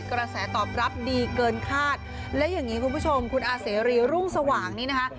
กระแสตอบรับดีเกินคาดและอย่างนี้คุณผู้ชมคุณอาเสรีรุ่งสว่างนี้นะคะ